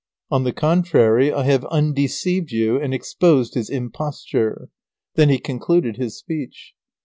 On the contrary, I have undeceived you and exposed his imposture." Then he concluded his speech.